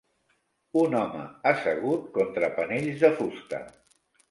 Un home assegut contra panells de fusta.